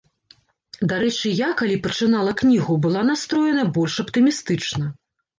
Дарэчы, я, калі пачынала кнігу, была настроеная больш аптымістычна.